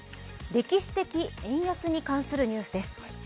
歴史的円安に関するニュースです。